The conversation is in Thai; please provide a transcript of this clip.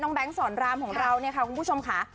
น้องเบี้งสรรพกของเขาเนี่ยค่ะคุณผู้ชมค่ะ